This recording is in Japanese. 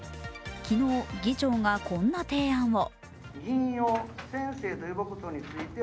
昨日、議長がこんな提案を。